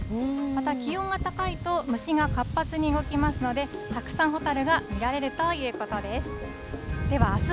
また気温が高いと、虫が活発に動きますので、たくさんホタルが見られるということです。